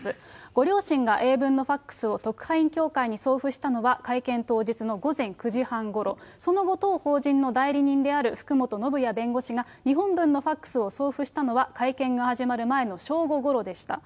ご両親が英文のファックスを特派員協会に送付したのは会見当日の午前９時半ごろ、その後、当法人の代理人である福本修也弁護士が日本文のファックスを送付したのは、会見が始まる前の正午ごろでした。